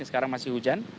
sekarang masih hujan